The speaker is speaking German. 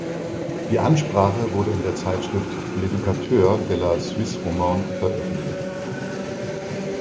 Die Ansprache wurde in der Zeitschrift "L’Educateur de la Suisse Romande" veröffentlicht.